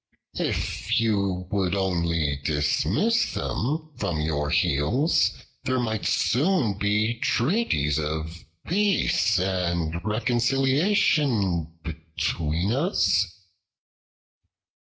If you would only dismiss them from your heels, there might soon be treaties of peace and reconciliation between us."